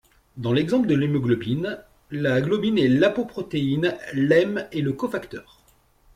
Dans l'exemple de l'hémoglobine, la globine est l'apoprotéine, l'hème le cofacteur.